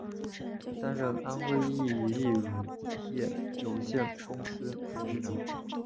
担任安徽益益乳业有限公司董事长。